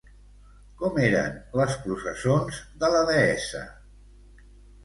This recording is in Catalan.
Com eren les processons de la deessa?